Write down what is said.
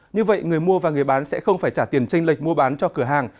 như vậy người mua và người bán sẽ không phải trả tiền tranh lệch mua bán cho cửa hàng